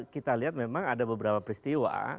kita lihat memang ada beberapa peristiwa